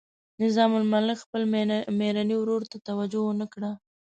نظام الملک خپل میرني ورور ته توجه ونه کړه.